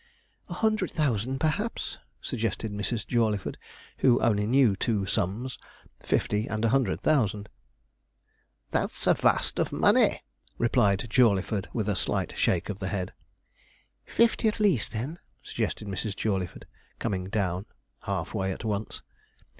'A hundred thousand, perhaps,' suggested Mrs. Jawleyford, who only knew two sums fifty and a hundred thousand. 'That's a vast of money,' replied Jawleyford, with a slight shake of the head. 'Fifty at least, then,' suggested Mrs. Jawleyford, coming down half way at once.